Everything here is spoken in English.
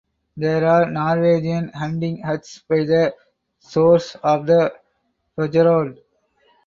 There are Norwegian hunting huts by the shores of the fjord.